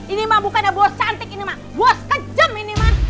ini mah bukan ya bos cantik ini mah bos kejem ini mah